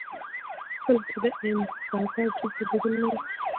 کله چې د انحصارګر جنس بدیل نه وي.